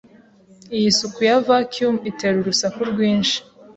Iyi suku ya vacuum itera urusaku rwinshi.